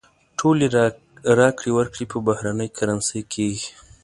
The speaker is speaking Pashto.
ټولې راکړې ورکړې په بهرنۍ کرنسۍ کېږي.